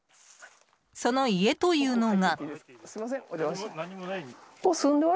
その家というのが。